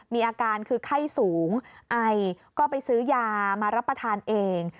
มีอาการคือไข้สูงไอก็ไปซื้อยามารับประทานเอง